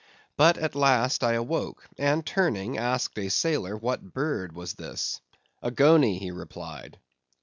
But at last I awoke; and turning, asked a sailor what bird was this. A goney, he replied.